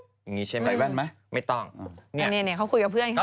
อย่างงี้ใช่ไหมแว่นไหมไม่ต้องเนี่ยเขาคุยกับเพื่อนเขา